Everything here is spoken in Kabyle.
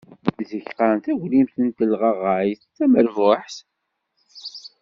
Zik qqaren taglimt n telɣaɣayt d tamerbuḥt.